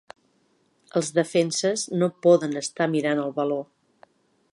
Els defenses no poden estar mirant el baló.